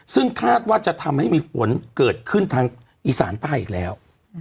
ซึ่งคาดว่าจะทำให้มีฝนเกิดขึ้นทางอีสานใต้อีกแล้ว